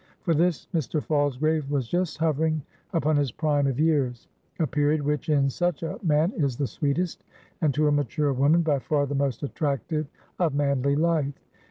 For this Mr. Falsgrave was just hovering upon his prime of years; a period which, in such a man, is the sweetest, and, to a mature woman, by far the most attractive of manly life.